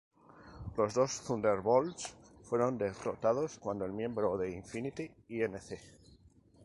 Los dos Thunderbolts fueron derrotados cuando el miembro de Infinity, Inc.